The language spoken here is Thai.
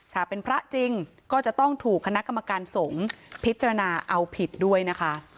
ถ้าเป็นพระจริงก็จะต้องถูกคณะกรรมการสงฆ์พิจารณาเอาผิดด้วยนะคะ